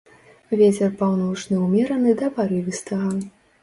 Вецер паўночны ўмераны да парывістага.